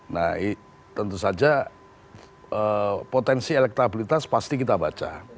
nah tentu saja potensi elektabilitas pasti kita baca